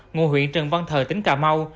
ngồi huyện trần văn thờ tỉnh cà mau